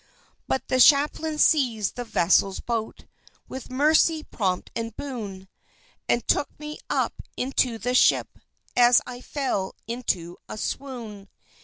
But the chaplain seized the vessel's boat, With mercy prompt and boon, And took me up into the ship As I fell into a swoon.